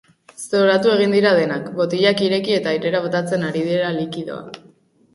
Zoratu egin dira denak, botilak ireki eta airera botatzen ari dira likidoa.